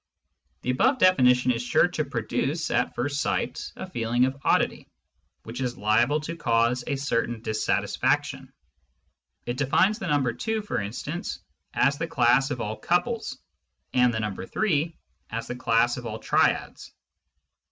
The above definition is sure to produce, at first sight, a feeling of oddity, which is liable to cause a certain dis satisfaction. It defines the number 2, for instance, as the class of all couples, and the number 3 as the class of all triads.